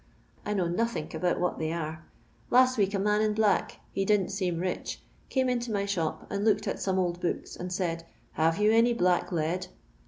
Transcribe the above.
I know nothink about what they arc. Last week, a man in black — he didn't seem rich — came into my shop and looked at some old books, and said 'Have you »ny black lead!'